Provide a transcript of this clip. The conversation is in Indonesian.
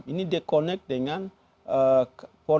ini di connect dengan korektur